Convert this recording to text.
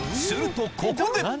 するとここで！